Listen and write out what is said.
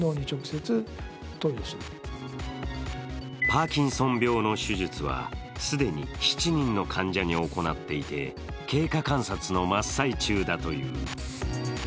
パーキンソン病の手術は既に７人の患者に行っていて経過観察の真っ最中だという。